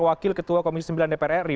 wakil ketua komisi sembilan dpr ri